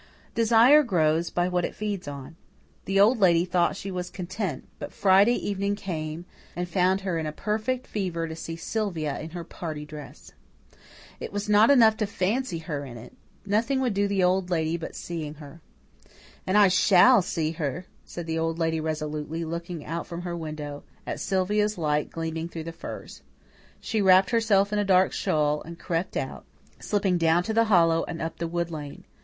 Desire grows by what it feeds on. The Old Lady thought she was content; but Friday evening came and found her in a perfect fever to see Sylvia in her party dress. It was not enough to fancy her in it; nothing would do the Old Lady but seeing her. "And I SHALL see her," said the Old Lady resolutely, looking out from her window at Sylvia's light gleaming through the firs. She wrapped herself in a dark shawl and crept out, slipping down to the hollow and up the wood lane.